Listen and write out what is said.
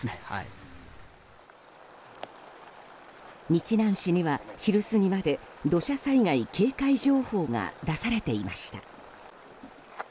日南市には昼過ぎまで土砂災害警戒情報が出されていました。